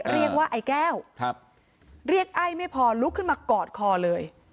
เรียกว่าไอ้แก้วครับเรียกไอ้ไม่พอลุกขึ้นมากอดคอเลย